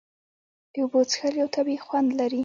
د اوبو څښل یو طبیعي خوند لري.